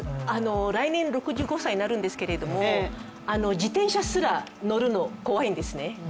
来年６５歳になるんですけれども自転車すら乗るのが怖いんですね。